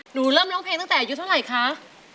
หนูเริ่มร้องเพลงตั้งแต่อายุเท่าไหร่คะ